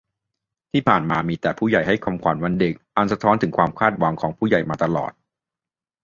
ที่ผ่านมา มีแต่ 'ผู้ใหญ่' ให้คำขวัญวันเด็ก อันสะท้อนถึงความคาดหวังของ 'ผู้ใหญ่' มาตลอด